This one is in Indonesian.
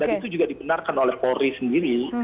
itu juga dibenarkan oleh polri sendiri